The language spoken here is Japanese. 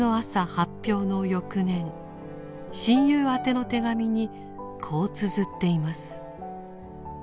発表の翌年親友宛ての手紙にこうつづっています。